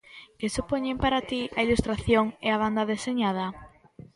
Que supoñen para ti a ilustración e a banda deseñada?